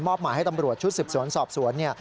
มอบหมายให้ตำรวจชุดสิบสวนสอบสวน